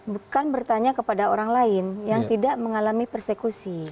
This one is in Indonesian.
bukan bertanya kepada orang lain yang tidak mengalami persekusi